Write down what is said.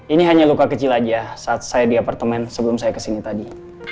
ini hanya luka kecil aja saat saya di apartemen sebelum saya kesini tadi